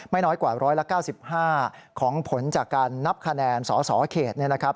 น้อยกว่า๑๙๕ของผลจากการนับคะแนนสสเขตเนี่ยนะครับ